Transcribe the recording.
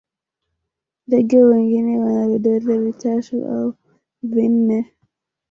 ndege wengine wana vidole vitatu au vinne